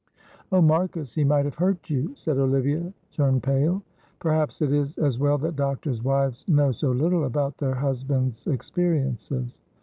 "Oh, Marcus, he might have hurt you," and Olivia turned pale perhaps it is as well that doctors' wives know so little about their husbands' experiences.